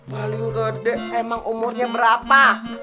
paling gede emang umurnya berapa